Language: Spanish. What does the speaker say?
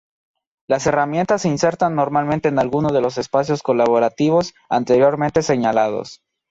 Las herramientas se insertan normalmente en alguno de los espacios colaborativos anteriormente señalados.